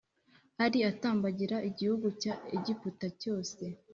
ari atambagira igihugu cya Egiputa cyose